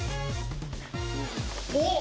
おっ！